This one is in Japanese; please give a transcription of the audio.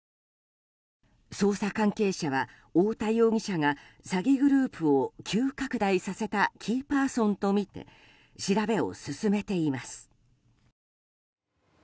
捜査関係者は、太田容疑者が詐欺グループを急拡大させたキーパーソンとみて調べを進めています。